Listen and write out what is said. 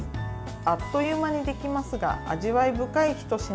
あっという間にできますが味わい深いひと品。